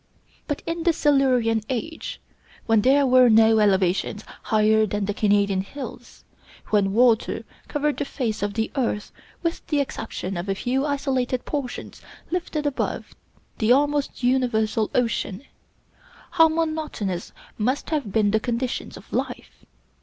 But in the Silurian age, when there were no elevations higher than the Canadian hills, when water covered the face of the earth with the exception of a few isolated portions lifted above the almost universal ocean, how monotonous must have been the conditions of life!